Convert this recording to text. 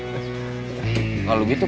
cukup pak kamtip